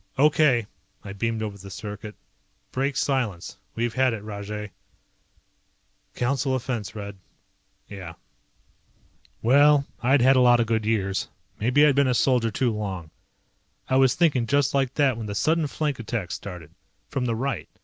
"Okay," I beamed over the circuit, "break silence. We've had it Rajay." "Council offense, Red." "Yeah." Well, I'd had a lot of good years. Maybe I'd been a soldier too long. I was thinking just like that when the sudden flank attack started. From the right.